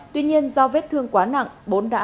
tuy nhiên do vết thương quá nặng bốn đã